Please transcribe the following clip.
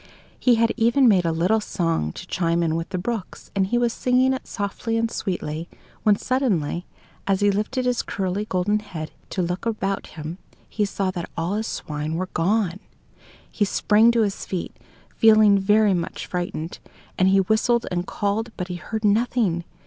He had even made a little song to chime in with the brook's, and he was singing it softly and sweetly, when suddenly, as he lifted his curly, golden head to look about him, he saw that all his swine were gone. He sprang to his feet, feeling very much frightened, and he whistled and called, but he heard nothing.